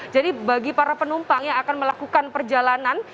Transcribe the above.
jadi bagi para penumpang yang akan melakukan perjalanan